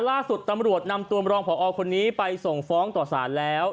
ล่าสุดตำรวจนำตัวรองพอคนนี้ไปส่งฟ้องต่อสารแล้ว